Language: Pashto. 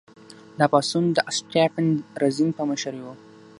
دا پاڅون د اسټپان رزین په مشرۍ و.